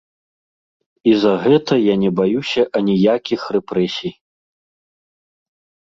І за гэта я не баюся аніякіх рэпрэсій.